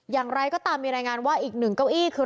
อย่างไรก็ตามมีรายงานว่าอีกหนึ่งเก้าอี้คือ